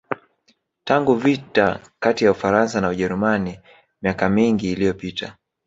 Tangu vita kati ya Ufaransa na Ujerumani mika mingi iliyopita